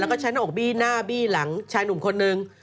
แล้วก็ใช้หน้าอกบี้หน้าบี้หลังชายหนุ่มคนนึง